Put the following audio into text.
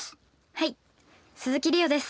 はい鈴木梨予です。